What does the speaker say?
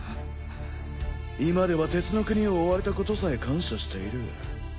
今では鉄の国を追われたことさえ感謝している。